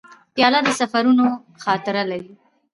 پیاله د سفرونو خاطره لري.